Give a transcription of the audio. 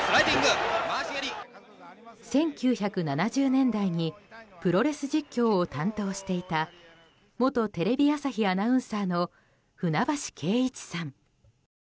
１９７０年代にプロレス実況を担当していた元テレビ朝日アナウンサーの舟橋慶一さん。